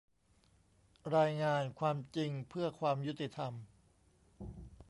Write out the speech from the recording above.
รายงาน "ความจริงเพื่อความยุติธรรม"